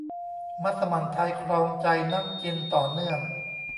มัสมั่นไทยครองใจนักกินต่อเนื่อง